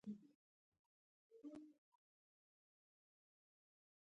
هوښیار خلک د نورو سره مرسته کوي، حتی که څه نه لري.